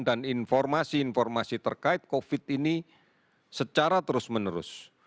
dan informasi informasi terkait covid ini secara terus menerus